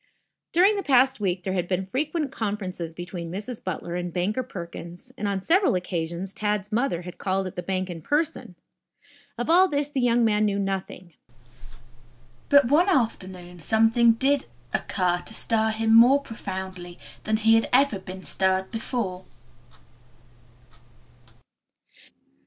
During the past week there had been frequent conferences between Mrs. Butler and Banker Perkins, and on several occasions Tad's mother had called at the hank in person. Of all this the young man knew nothing. But one afternoon something did occur to stir him more profoundly than he ever had been stirred before.